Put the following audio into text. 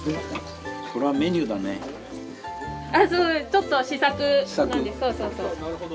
ちょっと試作なんですそうそう。